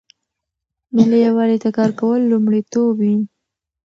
ملي یووالي ته کار کول لومړیتوب وي.